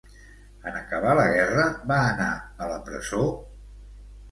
En acabar la guerra, va anar a la presó?